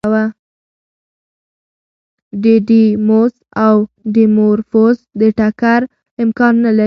ډیډیموس او ډیمورفوس د ټکر امکان نه لري.